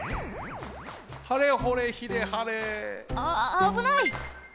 あぶない！